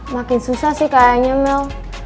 makin susah sih kayaknya mel